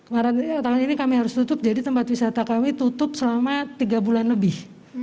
maret tahun ini kami harus tutup jadi tempat wisata kami tutup selama tiga bulan lebih